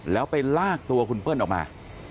แล้วไปลากตัวคุณเปิ้ลออกมา